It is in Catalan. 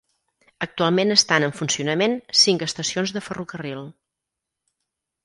Actualment estan en funcionament cinc estacions de ferrocarril.